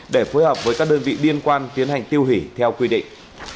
để phối hợp với các đơn vị liên quan tiến hành tiêu hủy theo quy định